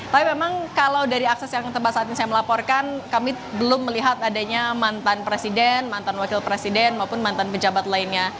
tapi memang kalau dari akses yang tempat saat ini saya melaporkan kami belum melihat adanya mantan presiden mantan wakil presiden maupun mantan pejabat lainnya